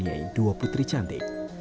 dikaruniai dua putri cantik